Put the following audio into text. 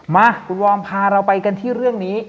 มาคุณวอร์มพาเราไปกันที่เรื่องนี้